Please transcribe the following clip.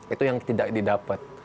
itu yang tidak didapat